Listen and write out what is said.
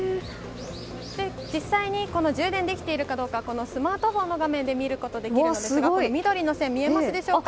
実際に充電できているかどうかスマートフォンの画面で見ることができるのですが緑の線、見えますでしょうか。